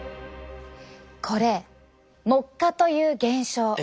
これ木化という現象。